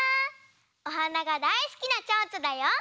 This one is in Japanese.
おはながだいすきなちょうちょだよ。